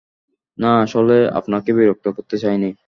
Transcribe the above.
না, আসলে, আপনাকে বিরক্ত করতে চাইনি।